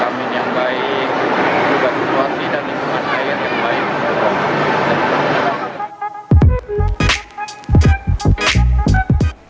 jamin yang baik juga situasi dan lingkungan air yang baik